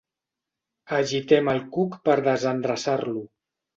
Agitem el cuc per desendreçar-lo.